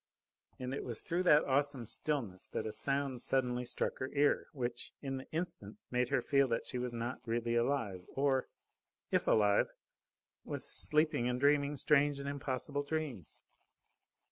And it was through that awesome stillness that a sound suddenly struck her ear, which, in the instant, made her feel that she was not really alive, or, if alive, was sleeping and dreaming strange and impossible dreams.